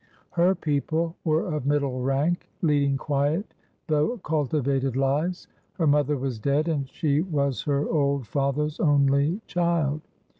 Her people were of middle rank, leading quiet though cultivated lives. Her mother was dead, and she was her old father's only child.